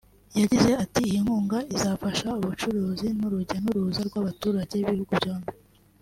yagize ati “ Iyi nkunga izafasha ubucuruzi n’urujya n’uruza rw’abaturage b’ibihugu byombi